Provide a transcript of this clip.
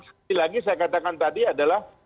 saya katakan tadi adalah